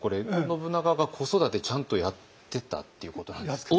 信長が子育てちゃんとやってたっていうことなんですか？